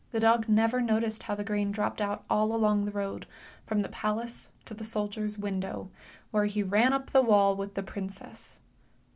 dog never noticed how the grain dropped out all along the road from the palace to the soldier's window, where he ran up the wall with the princess.